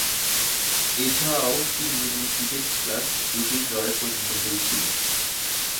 এছাড়াও, তিনদিনের ক্রিকেট খেলার দু’টোই ড্রয়ে পরিণত হয়েছিল।